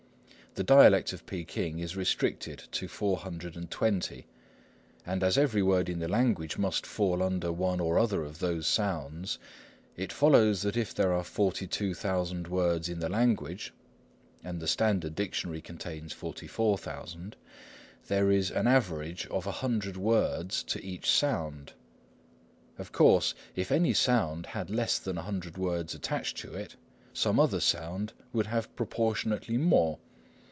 The dialect of Peking is restricted to four hundred and twenty, and as every word in the language must fall under one or other of those sounds, it follows that if there are 42,000 words in the language (and the standard dictionary contains 44,000), there is an average of 100 words to each sound. Of course, if any sound had less than 100 words attached to it, some other sound would have proportionately more.